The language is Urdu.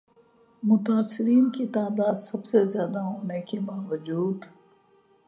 متاثرین کی تعداد سب سے زیادہ ہونے کے باوجود